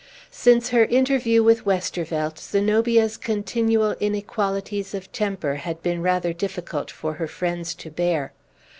Since her interview with Westervelt, Zenobia's continual inequalities of temper had been rather difficult for her friends to bear.